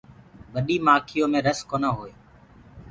ٻڏي مآکيو مي رس کونآ هوئي۔